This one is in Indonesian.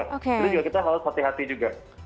itu juga kita harus hati hati juga